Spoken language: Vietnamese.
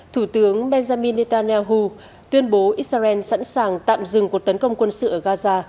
thủ tướng benjamin netanyahu tuyên bố israel sẵn sàng tạm dừng cuộc tấn công quân sự ở gaza